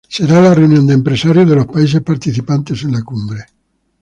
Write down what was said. Será la reunión de empresarios de los países participantes en la cumbre.